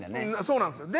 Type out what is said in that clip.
そうなんですよ。